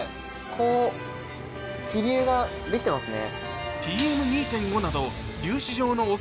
こう気流ができてますね。